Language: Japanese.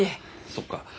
そっか。